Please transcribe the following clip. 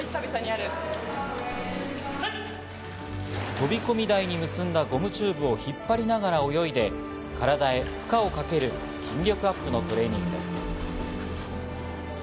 飛び込み台に結んだゴムチューブを引っ張りながら泳いで、体へ負荷をかける筋力アップのトレーニングです。